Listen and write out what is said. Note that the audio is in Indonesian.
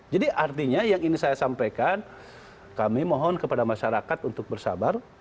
jadi artinya yang ini saya sampaikan kami mohon kepada masyarakat untuk bersabar